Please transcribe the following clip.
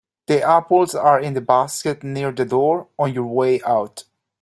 The apples are in the basket near the door on your way out.